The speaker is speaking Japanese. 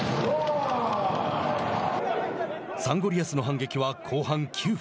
サンゴリアスの反撃は後半９分。